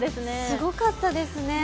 すごかったですね。